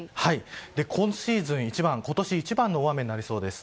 今シーズン一番今年１番の大雨になりそうです。